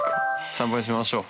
参拝しましょう。